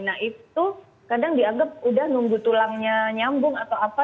nah itu kadang dianggap udah nunggu tulangnya nyambung atau apa